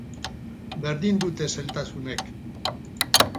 Berdin dute zailtasunek.